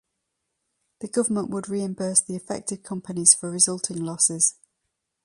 The government would reimburse the affected companies for resulting losses.